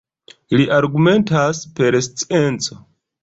Li argumentas per scienco.